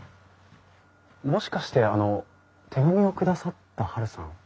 もしかしてあの手紙を下さったはるさん？